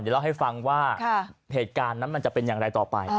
เดี๋ยวเล่าให้ฟังว่าเหตุการณ์นั้นมันจะเป็นอย่างไรต่อไป